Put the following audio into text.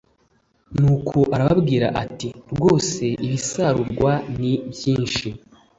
Nuko arababwira ati “rwose ibisarurwa ni byinshi”